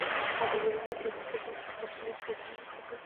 ازادي راډیو د ټولنیز بدلون لپاره د مرستو پروګرامونه معرفي کړي.